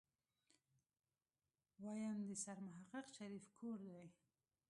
ويم د سرمحقق شريف کور دی.